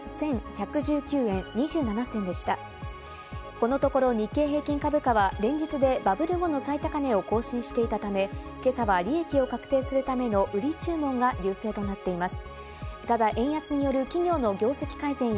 このところ日経平均株価は連日でバブル後の最高値を更新していたため、今朝は利益を確定するための売り注文が優勢となっています。